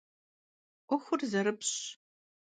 'Uexur zerıpş'ş.